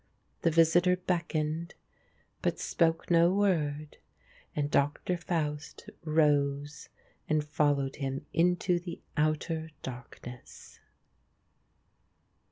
The visitor beckoned, but spoke no word, and Doctor Faust rose and followed him into the outer darkness.